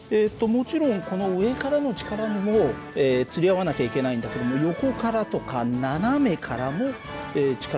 もちろんこの上からの力にもつり合わなきゃいけないんだけども横からとか斜めからも力がつり合わなきゃいけないね。